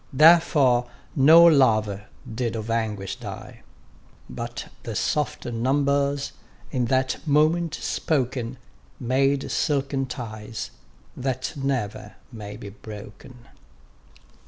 Therefore no lover did of anguish die: But the soft numbers, in that moment spoken, Made silken ties, that never may be broken.